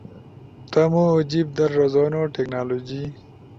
تمو جیب در رزونو ٹیکنالوجی